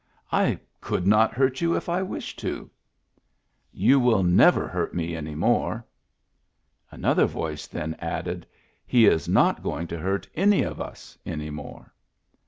" I could not hurt you if I wished to." " You will never hurt me any more." Another voice then added :" He is not going to hurt any of us any more."